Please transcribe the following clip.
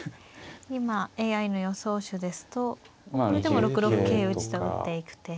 今ＡＩの予想手ですとこれでも６六桂打と打っていく手。